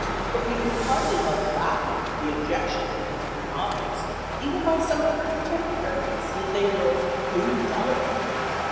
But we can hardly help laughing at the objection taken to her novels even by some of her contemporaries, that they were "indelicate"!